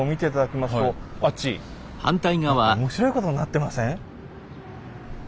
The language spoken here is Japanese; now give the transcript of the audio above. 何か面白いことになってません？